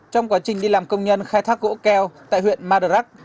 trong quá trình đi làm công nhân khai thác gỗ keo tại huyện madarak